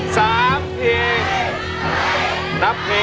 ใช้